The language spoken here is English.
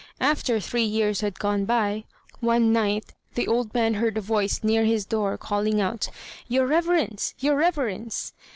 After three years had gone by, one night the old man heard a voice near his door calling out, "Your reverence! your reverence!"